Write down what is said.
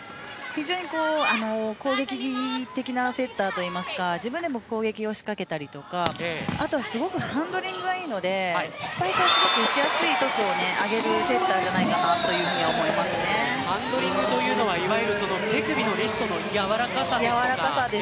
非常に攻撃的なセッターといいますか自分でも攻撃を仕掛けたりとかあとはすごくハンドリングがいいのでスパイクを打ちやすいトスを上げるセッターじゃないかなとハンドリングというのはいわゆる手首のリストのやわらかさですね。